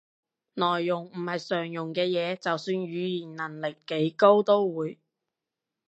內容唔係常用嘅嘢，就算語言能力幾高都會